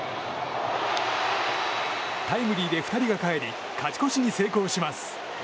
タイムリーで２人がかえり勝ち越しに成功します。